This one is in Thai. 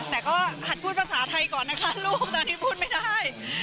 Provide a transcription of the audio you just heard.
แต่ก็หัดพูดภาษาไทยก่อนนะคะลูกตอนนี้พูดไม่ได้